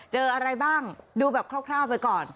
เจออะไรบ้างดูแบบคร่าวไปก่อน